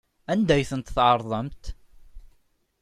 Anda ay tent-tɛerḍemt?